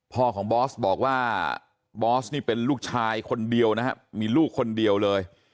พ่อของบอสบอกว่าบอสนี่เป็นลูกชายคนเดียวนะครับมีลูกคนเดียวเลย